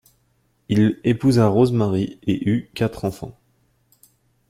Il épousa Rosemary et eut quatre enfants.